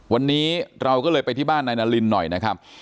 วันนี้เราก็เลยไปที่บ้านนายนารินหน่อยนะครับ